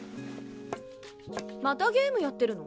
またゲームやってるの？